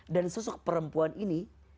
dan sosok perempuan ini